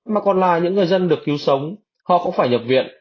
mà còn là những người dân được cứu sống họ cũng phải nhập viện